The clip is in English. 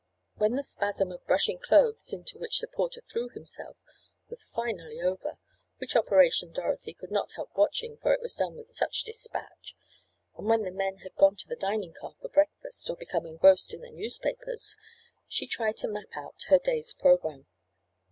When the spasm of brushing clothes into which the porter threw himself, was finally over, which operation Dorothy could not help watching for it was done with such dispatch, and when the men had gone to the dining car for breakfast or become engrossed in their newspapers, she tried to map out her day's programme.